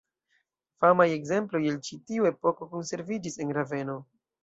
Famaj ekzemploj el ĉi tiu epoko konserviĝis en Raveno.